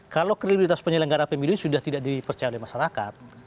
kalau kredibilitas penyelenggara pemilu sudah tidak dipercaya oleh masyarakat